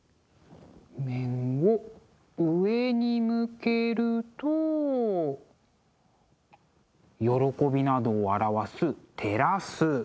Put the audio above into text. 面を上に向けると喜びなどを表すテラス。